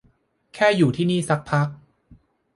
แค่อยู่ที่นี่สักพัก